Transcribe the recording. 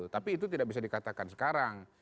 tapi itu tidak bisa dikatakan sekarang